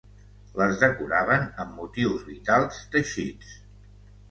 Les decoraven amb motius vitals teixits.